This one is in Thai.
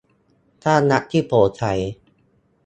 สร้างรัฐที่โปร่งใส